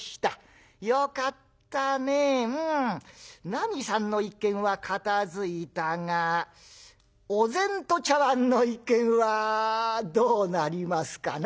なみさんの一件は片づいたがお膳と茶碗の一件はどうなりますかな？」。